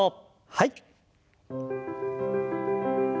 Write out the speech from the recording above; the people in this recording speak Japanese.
はい。